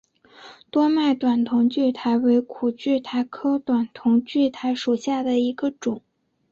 多脉短筒苣苔为苦苣苔科短筒苣苔属下的一个种。